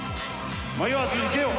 迷わず行けよ！